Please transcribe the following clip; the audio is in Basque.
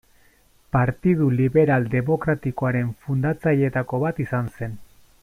Partidu Liberal Demokratikoaren fundatzaileetako bat izan zen.